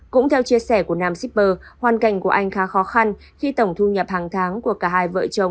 cũng theo chia sẻ của nam shipper hoàn cảnh của anh khá khó khăn khi tổng thu nhập hàng tháng của cả hai vợ chồng